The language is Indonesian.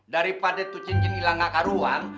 daripada cincinnya hilangkan ruang